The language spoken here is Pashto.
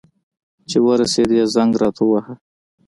چي ورسېدې، زنګ راته ووهه.